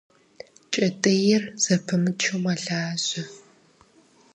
Кӏэтӏийр зэпымычу мэлажьэ.